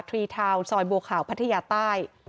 รีทาวน์ซอยบัวขาวพัทยาใต้